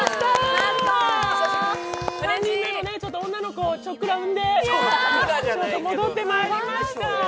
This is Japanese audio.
３人目の女の子をちょっくら産んで戻ってまいりました。